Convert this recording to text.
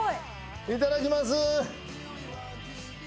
いただきます。